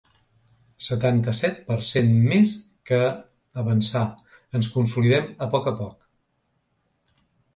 Setanta-set per cent Més que avançar, ens consolidem a poc a poc.